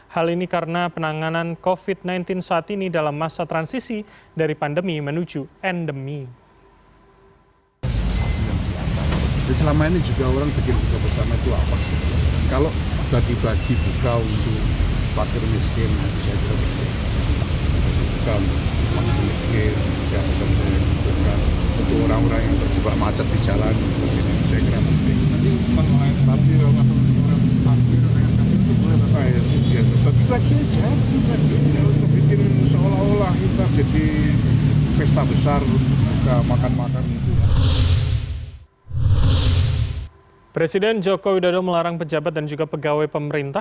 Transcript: hal ini karena penanganan covid sembilan belas saat ini dalam masa transisi dari pandemi menuju endemi